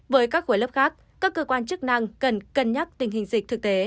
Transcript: với các khối lớp khác các cơ quan chức năng cần cân nhắc tình hình dịch thực tế